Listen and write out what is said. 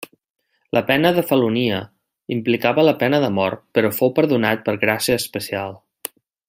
La pena de fellonia implicava la pena de mort però fou perdonat per gràcia especial.